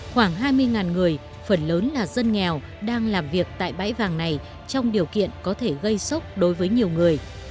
khoảng hai mươi người phần lớn là dân nghèo đang làm việc tại bãi vàng này trong điều kiện có thể gây sốc đối với nhiều người